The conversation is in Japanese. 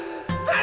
あ。